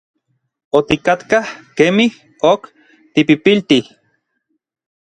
Otikatkaj kemij ok tipipiltij.